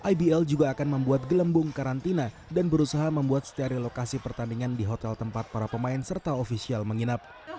ibl juga akan membuat gelembung karantina dan berusaha membuat sterilisasi pertandingan di hotel tempat para pemain serta ofisial menginap